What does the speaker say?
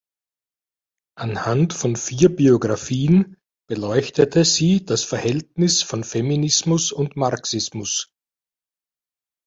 Anhand von vier Biografien beleuchtete sie das Verhältnis von Feminismus und Marxismus.